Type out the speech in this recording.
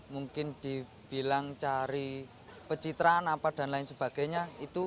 mungkin dibilang cari pecitraan apa dan lain sebagainya